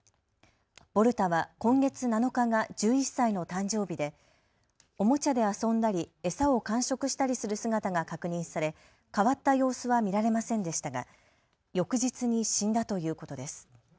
ボルタは今月７日が１１歳の誕生日でおもちゃで遊んだり餌を完食したりする姿が確認され変わった様子は見られませんでしたが翌日に死んだということです。